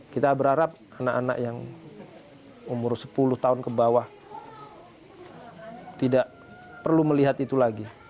kita berharap anak anak yang umur sepuluh tahun ke bawah tidak perlu melihat itu lagi